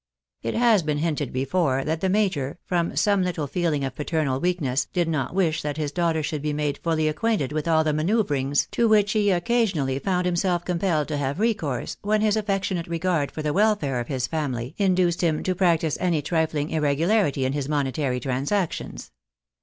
It has been hinted before, that the major, from some little feel ing of paternal weakness, did not wish that his daughter should be made fuUy acquainted with all the manoeuvrings to which he occa 302 THE BAENABYS ITT AMERICA. sionally found himself compelled to have recourse, when his affec tionate regard for the welfare of his family induced him to practise any trifling irregularity in his monetary transactions.